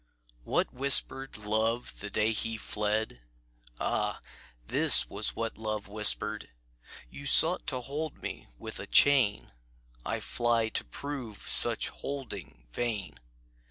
What whispered Love the day he fled? Ah! this was what Love whispered; "You sought to hold me with a chain; I fly to prove such holding vain.